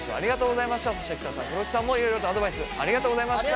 そして喜田さん風呂内さんもいろいろとアドバイスありがとうございました。